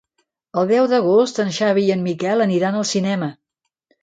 El deu d'agost en Xavi i en Miquel aniran al cinema.